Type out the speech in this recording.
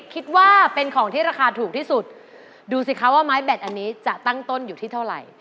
คิดว่าเป็นของที่ราคาถูกที่สุดดูสิคะว่าไม้แบตอันนี้จะตั้งต้นอยู่ที่เท่าไหร่